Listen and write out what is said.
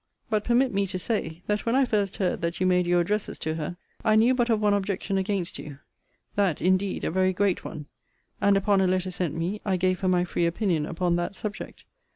But permit me to say, that when I first heard that you made your addresses to her, I knew but of one objection against you; that, indeed, a very great one: and upon a letter sent me, I gave her my free opinion upon that subject.